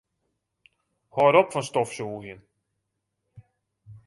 Hâld op fan stofsûgjen.